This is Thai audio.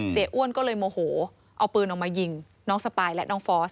อ้วนก็เลยโมโหเอาปืนออกมายิงน้องสปายและน้องฟอส